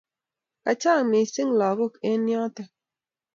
Kochang' missing' lagok eng' yotok.